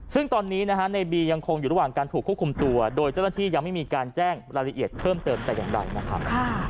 ซึ่งตอนนี้นะฮะในบียังคงอยู่ระหว่างการถูกควบคุมตัวโดยเจ้าหน้าที่ยังไม่มีการแจ้งรายละเอียดเพิ่มเติมแต่อย่างใดนะครับ